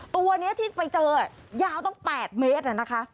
ตัวนี้ที่ไปเจอยาวตั้ง๘เมตรนะคะ